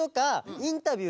インタビュー！？